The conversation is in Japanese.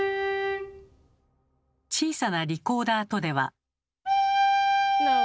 小さなリコーダーとでは。